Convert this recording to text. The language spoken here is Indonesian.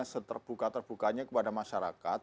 seterbuka terbukanya kepada masyarakat